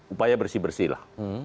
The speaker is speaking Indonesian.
upaya bersih bersih lah